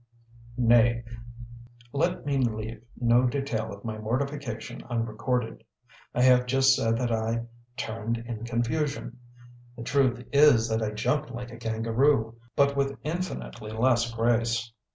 Nay, let me leave no detail of my mortification unrecorded: I have just said that I "turned in confusion"; the truth is that I jumped like a kangaroo, but with infinitely less grace.